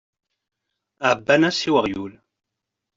Ɛebban-as i weɣyul.